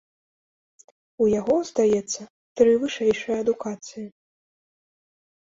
У яго, здаецца, тры вышэйшыя адукацыі.